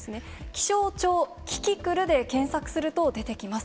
気象庁キキクルで検索すると出てきます。